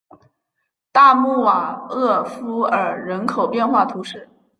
大穆瓦厄夫尔人口变化图示